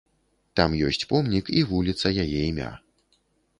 Там ёсць помнік і вуліца яе імя.